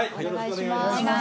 お願いします